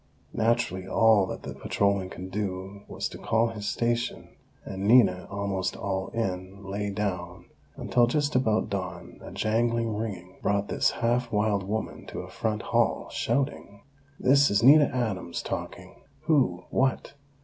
Naturally, all that that patrolman could do was to call his station; and Nina, almost all in, lay down, until, just about dawn a jangling ringing brought this half wild woman to a front hall, shouting: "This is Nina Adams talking! Who? _What?